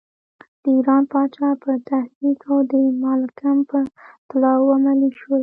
د ایران پاچا په تحریک او د مالکم په طلاوو عملی شول.